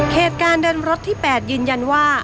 เหตุการณ์เดินรถที่๘ยืนยันว่า